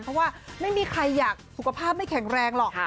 เพราะว่าไม่มีใครอยากสุขภาพไม่แข็งแรงหรอก